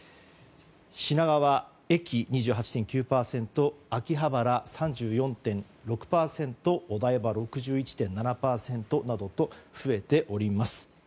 品川駅、２８．９％秋葉原、３４．６％お台場６１．７％などと増えております。